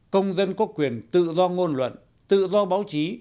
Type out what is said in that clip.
công dân có quyền tự do ngôn luận tự do báo chí